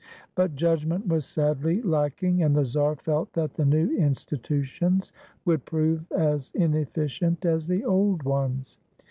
But judgment was sadly lack ing, and the czar felt that the new institutions would prove as inefl&cient as the old ones.